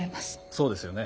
そうですよね。